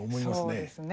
そうですね。